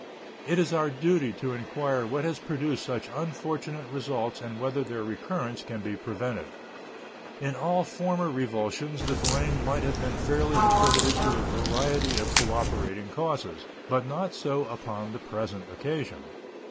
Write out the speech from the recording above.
It is our duty to inquire what has produced such unfortunate results and whether their recurrence can be prevented. In all former revulsions the blame might have been fairly attributed to a variety of cooperating causes, but not so upon the present occasion.